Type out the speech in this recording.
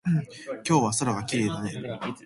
今日は空がきれいだね。